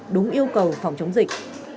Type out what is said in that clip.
đúng yêu cầu phòng chống dịch